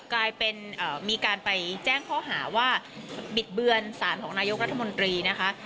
กลายเป็นมีการไปแจ้งข้อหาว่าบิดเบือนสารของนายกรัฐมนตรีนะคะ